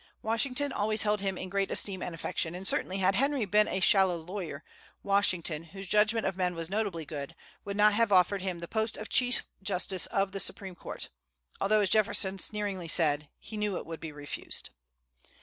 Washington always held him in great esteem and affection; and certainly had Henry been a shallow lawyer, Washington, whose judgment of men was notably good, would not have offered him the post of Chief Justice of the Supreme Court, although, as Jefferson sneeringly said, "he knew it would be refused."